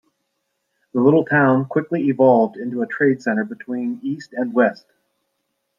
The little town quickly evolved into a trade center between east and west.